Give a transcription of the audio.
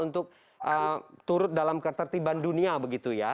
untuk turut dalam ketertiban dunia begitu ya